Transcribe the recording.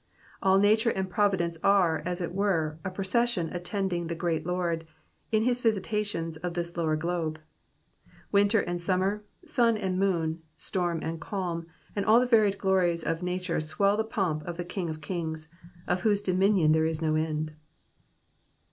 All nature and providence are, as it were, a procession attending the great Lord, in his I'isitations of this lower globe. Winter and summer, son and moon, storm and calm, and all the Taried glories of nature swell the pomp of the King of kin^^, of whose dominion there is no end.